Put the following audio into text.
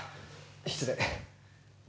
失礼。